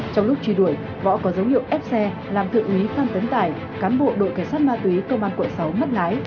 trong lúc truy đuổi võ có dấu hiệu ép xe làm thượng úy phan tấn tài cán bộ đội cảnh sát ma túy công an quận sáu mất lái